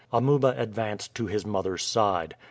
Amuba advanced to his mother's side.